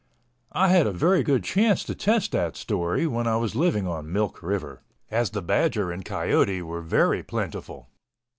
I had a very good chance to test that story when I was living on Milk River, as the badger and coyote were very plentiful.